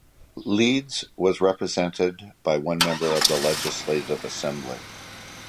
Leeds was represented by one member in the Legislative Assembly.